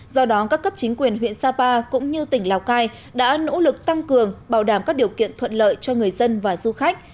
do đó các cấp chính quyền huyện sapa cũng như tỉnh lào cai đã nỗ lực tăng cường bảo đảm các điều kiện thuận lợi cho người dân và du khách